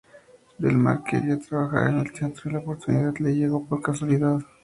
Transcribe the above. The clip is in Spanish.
Del Mar quería trabajar en el teatro y la oportunidad le llegó por casualidad.